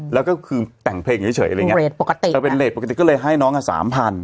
แล้วก็คือแต่งเพลงเฉยอะไรอย่างเงี้เรทปกติเออเป็นเรทปกติก็เลยให้น้องอ่ะสามพัน